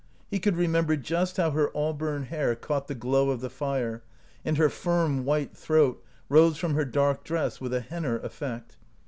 He could remember just how her auburn hair caught the glow of the fire, and her firm white throat rose from her dark dress with a Henner effect.